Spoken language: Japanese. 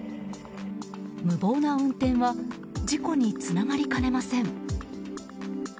無謀な運転は事故につながりかねません。